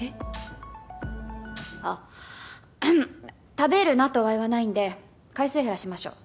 食べるなとは言わないんで回数減らしましょう。